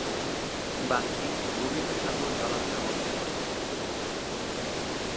বাঁধটি গোবিন্দ সাগর জলাধার গঠন করে।